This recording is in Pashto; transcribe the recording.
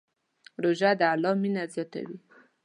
روژه د الله مینه زیاتوي.